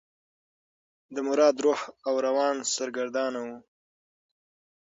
د مراد روح او روان سرګردانه و.